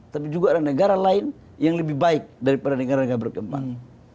tapi juga ada negara lain yang lebih baik daripada negara negara berkembang